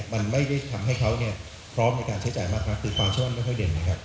มันไม่ได้ทำให้เขาพร้อมในการใช้จ่ายมากคือความช่วงไม่ค่อยเด่น